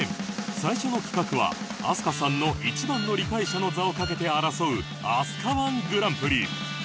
最初の企画は飛鳥さんの一番の理解者の座をかけて争う飛鳥 −１ グランプリ